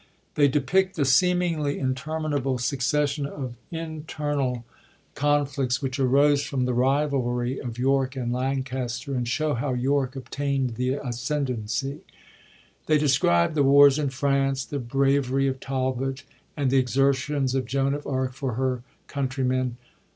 They depict the seemingly interminable succession of internal con I— F 83 HENRY VI., PARTS I AND 2 flicts which arose from the rivalry of York and" Lan caster, and show how Tork obtaind the ascendency. They describe the wars in France, the bravery of Talbot, and the exertions of Joan of Arc for her countrymen.